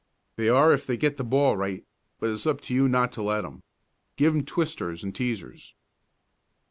"They are if they get the ball right, but it's up to you not to let 'em. Give 'em twisters and teasers."